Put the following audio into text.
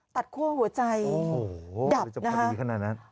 ตัดขั้วหัวใจดับนะฮะ